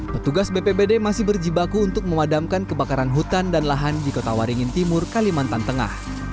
petugas bpbd masih berjibaku untuk memadamkan kebakaran hutan dan lahan di kota waringin timur kalimantan tengah